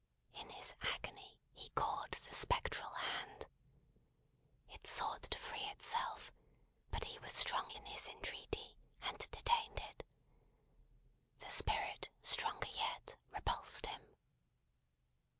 In his agony, he caught the spectral hand. It sought to free itself, but he was strong in his entreaty, and detained it. The Spirit, stronger yet, repulsed him.